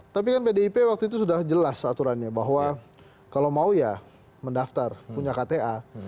tapi kan pdip waktu itu sudah jelas aturannya bahwa kalau mau ya mendaftar punya kta